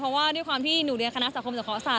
เพราะว่าด้วยความที่หนูเรียนคณะสังคมจากขอศาส